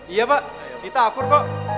iya pak kita akur kok